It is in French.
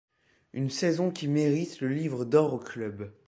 Une saison qui mérite le livre d’or au club.